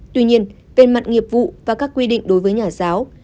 tuy nhiên về mặt nghiệp vụ và các quy định đối với nhà giáo